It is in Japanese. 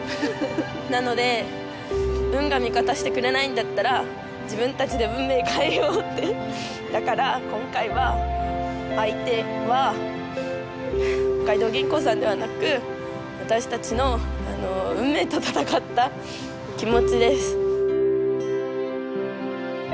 なので運が味方してくれないんだったら自分たちで運命変えようってだから今回は相手は北海道銀行さんではなく私たちの運命と戦った気持ちです。